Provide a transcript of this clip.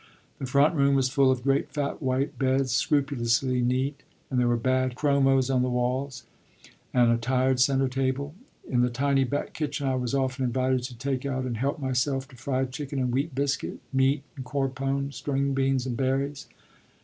The front room was full of great fat white beds, scrupulously neat; and there were bad chromos on the walls, and a tired center table. In the tiny back kitchen I was often invited to "take out and help" myself to fried chicken and wheat biscuit, "meat" and corn pone, string beans and berries.